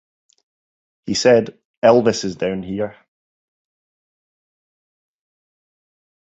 He said, 'Elvis is down here.